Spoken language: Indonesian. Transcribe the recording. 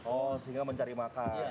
oh singa mencari makan